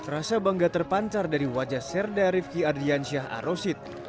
masa bangga terpancar dari wajah serda rivki adlyansyah arosit